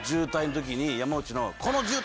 山内の。